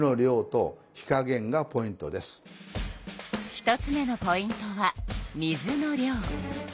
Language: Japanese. １つ目のポイントは水の量。